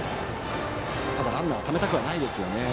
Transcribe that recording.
ただランナーをためたくはないところ。